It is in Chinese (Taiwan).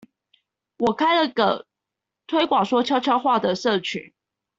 我開了個推廣說悄悄話的社群